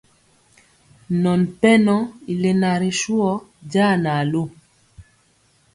Nɔn pɛnɔ i lena ri suhɔ jaa na lu.